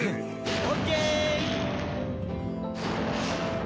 オッケー！